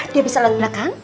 dia bisa lewat belakang